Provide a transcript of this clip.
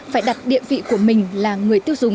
phải đặt địa vị của mình là người tiêu dùng